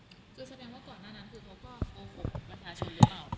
คือแสดงว่าก่อนหน้านั้นคือเขาก็โกหกประชาชนหรือเปล่า